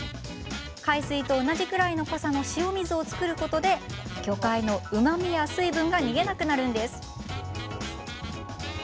海水と同じくらいの濃さの塩水を作ることで魚介のうまみや水分が逃げなくなるんです。